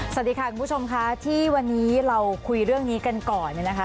สวัสดีค่ะคุณผู้ชมค่ะที่วันนี้เราคุยเรื่องนี้กันก่อนเนี่ยนะคะ